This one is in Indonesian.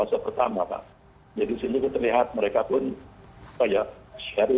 jadi di sini terlihat mereka pun kayak syarif dan los angeles police department itu juga bersatu dengan masyarakat muslim